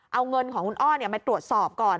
เอาเงินของคุณอ้อมาตรวจสอบก่อน